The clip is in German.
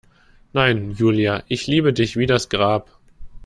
Nein, Julia, ich liebe dich wie das Grab.